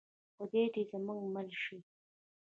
خدای دې زموږ مل شي